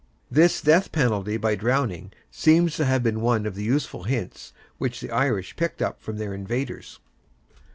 This death penalty by drowning seems to have been one of the useful hints which the Irish picked up from their invaders.